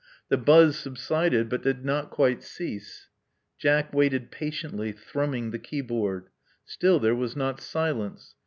The buzz subsided, but did not quite cease. Jack waited patiently, thrumming the keyboard. Still there was not silence.